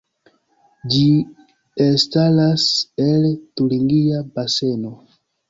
Ĝi elstaras el Turingia Baseno.